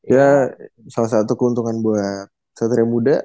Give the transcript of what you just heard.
ya salah satu keuntungan buat satria muda